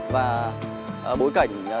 và bối cảnh